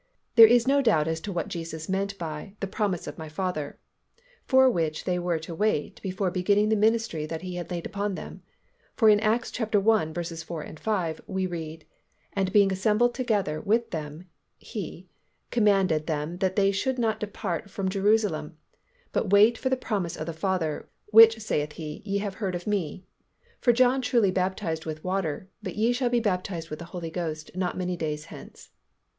There is no doubt as to what Jesus meant by "the promise of My Father," for which they were to wait before beginning the ministry that He had laid upon them; for in Acts i. 4, 5, we read, "And being assembled together with them (He), commanded them that they should not depart from Jerusalem, but wait for the promise of the Father, which, saith He, ye have heard of Me. For John truly baptized with water; but ye shall be baptized with the Holy Ghost not many days hence."